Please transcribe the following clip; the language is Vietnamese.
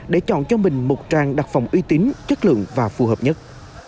để chọn cho mình một trang đặc phòng uy tín chất lượng và phù hợp nhất